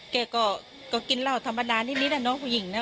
แกก็กินเหล้าธรรมดานิดนะน้องผู้หญิงนะ